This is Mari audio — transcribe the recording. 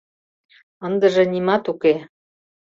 Ындыже нимат уке.